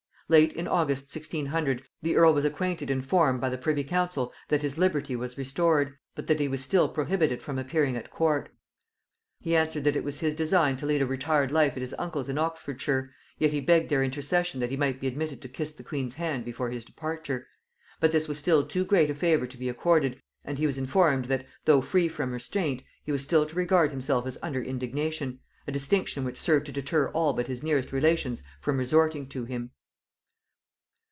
Late in August 1600, the earl was acquainted in form by the privy council that his liberty was restored, but that he was still prohibited from appearing at court. He answered, that it was his design to lead a retired life at his uncle's in Oxfordshire, yet he begged their intercession that he might be admitted to kiss the queen's hand before his departure. But this was still too great a favor to be accorded, and he was informed, that though free from restraint, he was still to regard himself as under indignation; a distinction which served to deter all but his nearest relations from resorting to him.